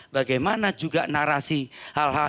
bagaimana juga narasi hal hal